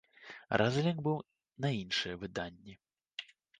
Разлік быў на іншыя выданні.